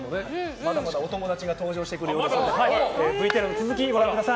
まだまだお友達が登場してくるのでＶＴＲの続きご覧ください。